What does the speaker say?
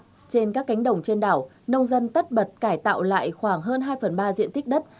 trên các cánh đồng trên đảo nông dân tắt bật cải tạo lại khoảng hơn hai phần ba diện tích đất